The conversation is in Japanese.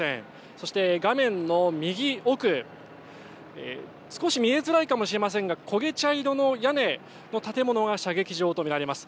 そして画面の右奥、少し見えづらいかもしれませんが焦げ茶色の屋根の建物が射撃場と見られます。